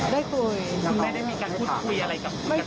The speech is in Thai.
แล้วก็ไม่พบ